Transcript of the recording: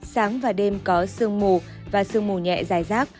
sáng và đêm có sơn mù và sơn mù nhẹ dài rác